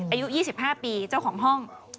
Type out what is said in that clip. อายุ๒๕ปีเจ้าของห้อง